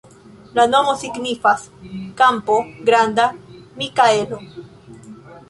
La nomo signifas: kampo-granda-Mikaelo.